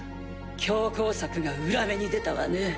強硬策が裏目に出たわね。